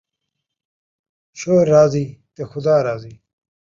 شوہ راضی تے خدا راضی